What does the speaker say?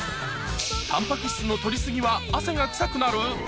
タンパク質の取り過ぎは汗が臭くなる？